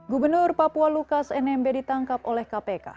gubernur papua lukas nmb ditangkap oleh kpk